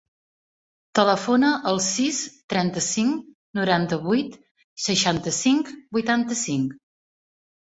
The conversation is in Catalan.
Telefona al sis, trenta-cinc, noranta-vuit, seixanta-cinc, vuitanta-cinc.